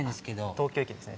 東京駅ですね。